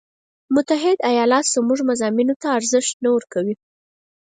متحده ایالات زموږ مضامینو ته ارزش نه ورکوي.